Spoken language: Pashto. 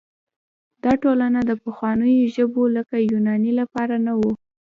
دا ټولنه د پخوانیو ژبو لکه یوناني لپاره نه وه.